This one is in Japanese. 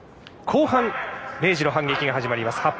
後半、明治の反撃が始まります。